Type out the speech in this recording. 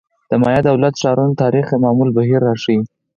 د مایا دولت-ښارونو تاریخ یو معمول بهیر راښيي.